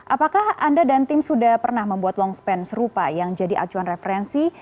apakah anda dan tim sudah pernah membuat longspan serupa yang jadi acuan referensi